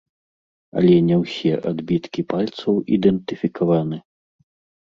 Але не ўсе адбіткі пальцаў ідэнтыфікаваны.